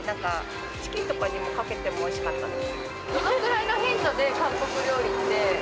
チキンとかにかけても、おいしかったです。